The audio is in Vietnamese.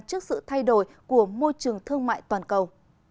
trước sự thay đổi của môi trường thương mại toàn cầu